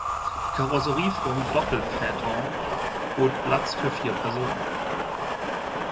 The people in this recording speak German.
Die Karosserieform Doppelphaeton bot Platz für vier Personen.